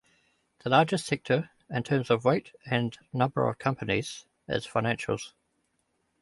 The largest sector, in terms of weight and number of companies, is financials.